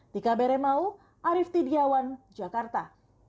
tika bere mau arief tidjawan jakarta